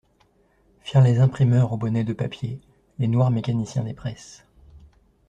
Firent les imprimeurs aux bonnets de papier, les noirs mécaniciens des presses.